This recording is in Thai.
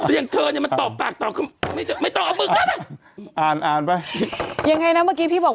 ยังเธอนี่มันตอบปากตอบไม่ตอบเอาไปอ่านอ่านไว้ยังไงนะเมื่อกี้พี่บอกว่า